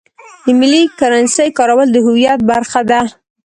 د ملي کرنسۍ کارول د هویت برخه ده.